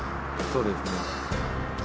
そうですね。